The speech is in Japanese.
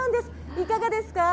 いかがですか？